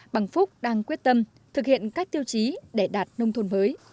bằng phúc đang quyết tâm thực hiện các tiêu chí để đạt nông thôn mới